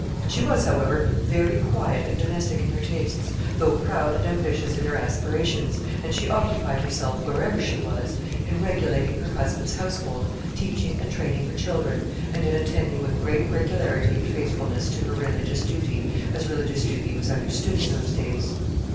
She was, however, very quiet and domestic in her tastes, though proud and ambitious in her aspirations, and she occupied herself, wherever she was, in regulating her husband's household, teaching and training her children, and in attending with great regularity and faithfulness to her religious duty, as religious duty was understood in those days.